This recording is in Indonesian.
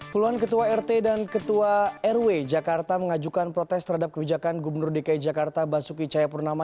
puluhan ketua rt dan ketua rw jakarta mengajukan protes terhadap kebijakan gubernur dki jakarta basuki cahayapurnama